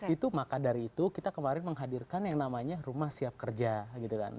itu maka dari itu kita kemarin menghadirkan yang namanya rumah siap kerja gitu kan